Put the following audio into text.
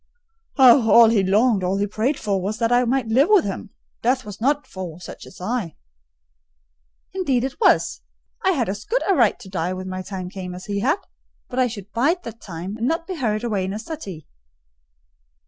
"Oh, all he longed, all he prayed for, was that I might live with him! Death was not for such as I." "Indeed it was: I had as good a right to die when my time came as he had: but I should bide that time, and not be hurried away in a suttee."